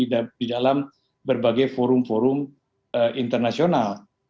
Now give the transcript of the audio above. di dalam berbagai forum forum internasional